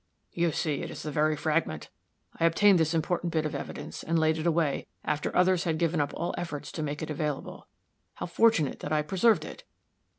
"You see it is the very fragment. I obtained this important bit of evidence, and laid it away, after others had given up all efforts to make it available. How fortunate that I preserved it!